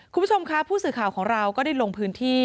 คุณผู้ชมค่ะผู้สื่อข่าวของเราก็ได้ลงพื้นที่